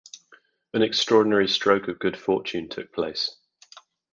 An extraordinary stroke of good fortune took place.